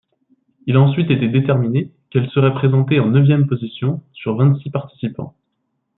Il a ensuite été déterminé qu’elle serait présentée en neuvième position, sur vingt-six participants.